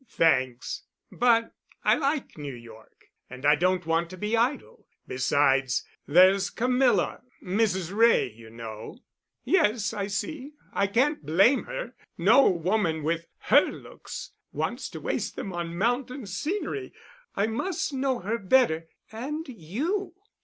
"Thanks. But I like New York, and I don't want to be idle. Besides, there's Camilla—Mrs. Wray, you know." "Yes, I see. I can't blame her. No woman with her looks wants to waste them on mountain scenery. I must know her better—and you.